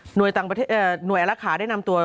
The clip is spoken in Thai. หน่วยต่างประเทศหน่วยอลักขาได้นำตัว